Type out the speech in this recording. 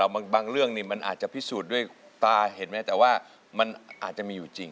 บางเรื่องนี่มันอาจจะพิสูจน์ด้วยตาเห็นไหมแต่ว่ามันอาจจะมีอยู่จริง